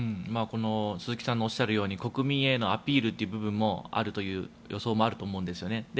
鈴木さんのおっしゃるように国民へのアピールという部分もあるという予想もあると思うんですよね。